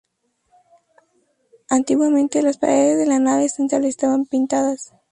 Antiguamente, las paredes de la nave central estaban pintadas.